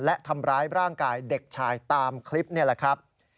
และทำร้ายร่างกายเด็กชายตามคลิปนี่แหละครับ